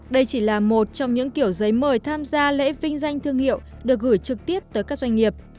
đây chỉ là một trong những kiểu giấy mời tham gia lễ vinh danh thương hiệu được gửi trực tiếp tới các doanh nghiệp